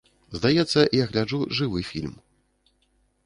Здаецца, я гляджу жывы фільм!